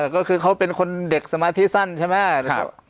ก็คือเขาเป็นคนเด็กสมาธิสั้นใช่ไหม